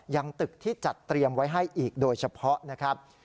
ยังตึกที่จัดเตรียมไว้ให้อีกโดยเฉพาะนะครับ